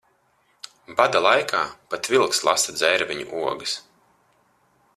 Bada laikā pat vilks lasa dzērveņu ogas.